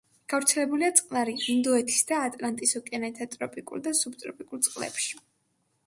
გავრცელებულია წყნარი, ინდოეთის და ატლანტის ოკეანეთა ტროპიკულ და სუბტროპიკულ წყლებში.